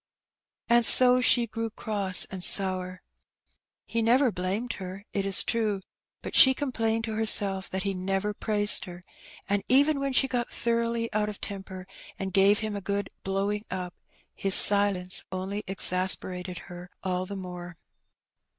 And so she grew cross and sour. He never blamed her, it is true, but she complained to herself that he never praised her, and even when she got thoroughly out of temper, and gave him a good "blowing up," his silence only exasperated her all the more.